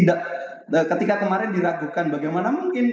dan maksudnya ketika kemarin diragukan bagaimana mungkin